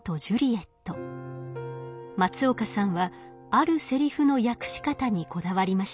松岡さんはあるセリフの訳し方にこだわりました。